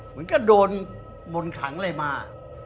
เหมือนก็โดนมนต์ขังอะไรมา